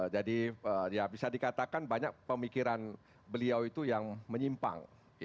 jadi ya bisa dikatakan banyak pemikiran beliau itu yang menyimpang